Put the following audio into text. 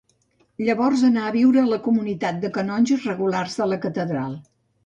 Llavors anà a viure a la comunitat de canonges regulars de la catedral.